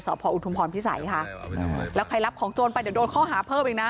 พออุทุมพรพิสัยค่ะแล้วใครรับของโจรไปเดี๋ยวโดนข้อหาเพิ่มอีกนะ